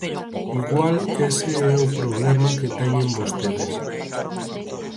Igual ese é o problema que teñen vostedes.